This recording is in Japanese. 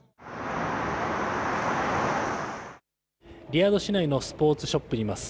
リヤド市内のスポーツショップにいます。